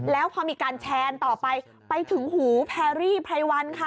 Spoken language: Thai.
แล้วพอมีการแชร์ต่อไปไปถึงหูแพรรี่ไพรวันค่ะ